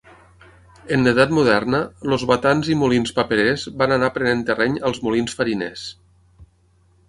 En l'edat moderna, els batans i molins paperers van anar prenent terreny als molins fariners.